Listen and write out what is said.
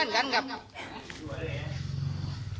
นี่ครับเล่นี่ครับซื่อมาครับ